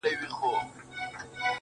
راشي دې دنیا به د چا څــۀ اوکـــړي